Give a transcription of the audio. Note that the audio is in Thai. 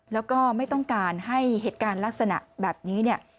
แล้วก็ไม่ต้องการให้เหตุการณ์ลักษณะแบบนี้เนี่ย